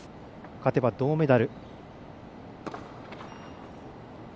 勝てば銅メダル。